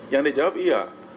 yang dijawab iya